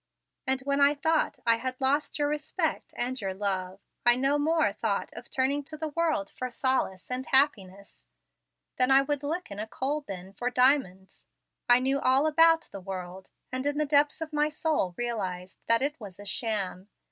And when I thought I had lost your respect and your love, I no more thought of turning to the world for solace and happiness, than I would look in a coal bin for diamonds. I knew all about the world, and in the depths of my soul realized that it was a sham.